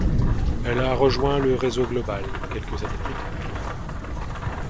Elle a rejoint le réseau Global quelques années plus tard.